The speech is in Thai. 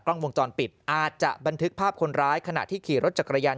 กล้องวงจรปิดอาจจะบันทึกภาพคนร้ายขณะที่ขี่รถจักรยาน